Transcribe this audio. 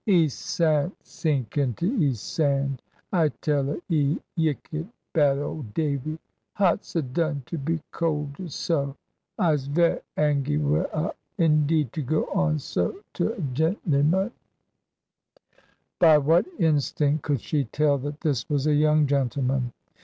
"'E san't sink into 'e sand, I tell 'a, 'e yicked bad old Davy. 'Hot's a done to be 'colded so? I's very angy with 'a indeed, to go on so to a gentleyum." By what instinct could she tell that this was a young gentleman?